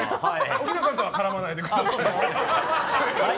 奥菜さんとは絡まないでください。